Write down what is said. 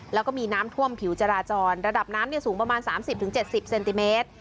แล้วก็มีน้ำท่วมผิวจราจรระดับน้ำเนี้ยสูงประมาณสามสิบถึงเจ็ดสิบเซนติเมตร